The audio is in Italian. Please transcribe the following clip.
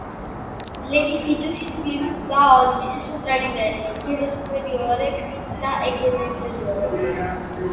L'edificio si sviluppa oggi su tre livelli: chiesa superiore, cripta e chiesa inferiore.